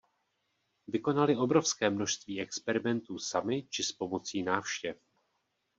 Vykonali obrovské množství experimentů sami či s pomocí návštěv.